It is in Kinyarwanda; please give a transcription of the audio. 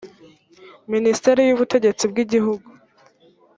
minisiteri y ubutegetsi bw igihugu